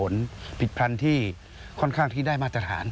กล้าพันธุ์หรือมีผิดผลผิดพันธุ์ที่ค่อนข้างที่ได้มาตรฐาน